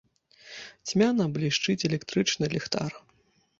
Цьмяна блішчыць электрычны ліхтар.